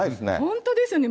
本当ですよね。